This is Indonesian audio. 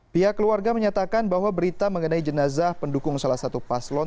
pihak keluarga menyatakan bahwa berita mengenai jenazah pendukung salah satu paslon